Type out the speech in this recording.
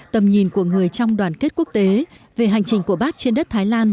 tầm nhìn của người trong đoàn kết quốc tế về hành trình của bác trên đất thái lan